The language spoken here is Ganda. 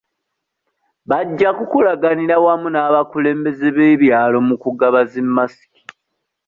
Bajja kukolaganira wamu n'abakulembeze b'ebyalo mu kugaba zi masiki.